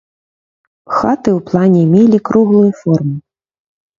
Хаты ў плане мелі круглую форму.